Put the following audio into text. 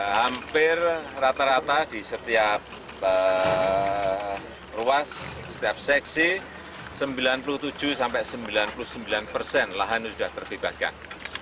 hampir rata rata di setiap ruas setiap seksi sembilan puluh tujuh sampai sembilan puluh sembilan persen lahan sudah terbebaskan